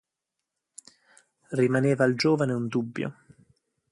Rimaneva al giovane un dubbio.